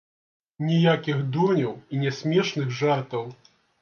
Ніякіх дурняў і нясмешных жартаў!